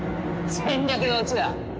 戦略のうちだ！